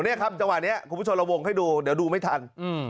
นี่ครับจังหวะนี้คุณผู้ชมเราวงให้ดูเดี๋ยวดูไม่ทัน